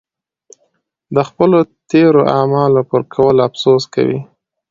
د خپلو تېرو اعمالو پر کولو افسوس کوي.